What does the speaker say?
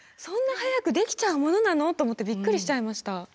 そんな早くできちゃうものなの！？と思ってびっくりしちゃいました。